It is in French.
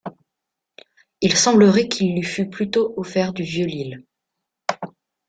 Il semblerait qu'il lui fut plutôt offert du vieux-lille.